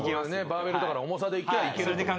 バーベルとかの重さでいきゃいける。